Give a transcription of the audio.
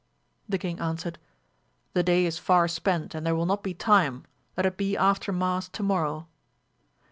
The king answered, The day is far spent and th(ire will not be time, let it be after mass to morrow.